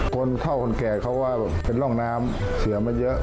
คนเท่าคนแก่เขาว่าเป็นร่องน้ำเสียมาเยอะ